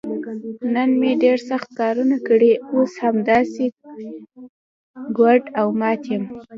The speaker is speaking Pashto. نن مې ډېر سخت کارونه کړي، اوس همداسې ګوډ او مات یم.